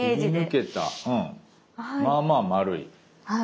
まあまあ丸い。